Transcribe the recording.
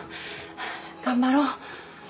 頑張ろうね。